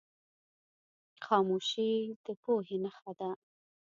خاموشي، د پوهې نښه ده.